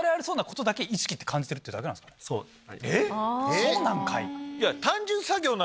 そうなんかい。